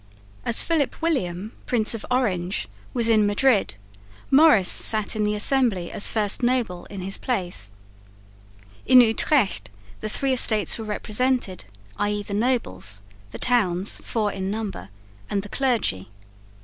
As Philip William, Prince of Orange, was in Madrid, Maurice sat in the assembly as "first noble" in his place. In Utrecht the three Estates were represented, i.e. the nobles, the towns (four in number) and the clergy.